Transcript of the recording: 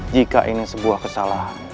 jika ini sebuah kesalahan